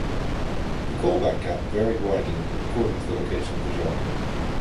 The callback gap varied widely according to the location of the job.